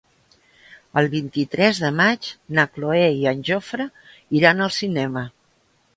El vint-i-tres de maig na Cloè i en Jofre iran al cinema.